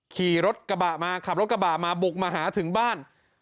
ขี่รถกระบะมาขับรถกระบะมาบุกมาหาถึงบ้าน